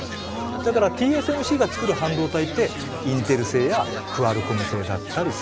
だからＴＳＭＣがつくる半導体ってインテル製やクアルコム製だったりする。